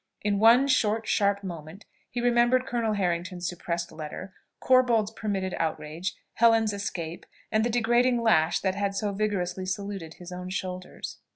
In one short, sharp moment he remembered Colonel Harrington's suppressed letter, Corbold's permitted outrage, Helen's escape, and the degrading lash that had so vigorously saluted his own shoulders.